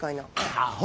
アホ！